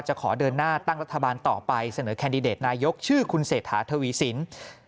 ขอเดินหน้าตั้งรัฐบาลต่อไปเสนอแคนดิเดตนายกชื่อคุณเศรษฐาทวีสิน